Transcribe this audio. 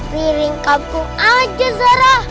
liring kampung aja zara